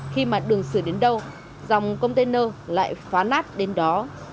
khi mặt đường xử đến đâu dòng container lại phá nát đến đó